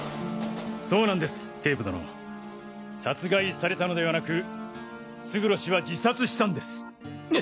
そうなんです警部殿殺害されたのではなく勝呂氏は自殺したんです。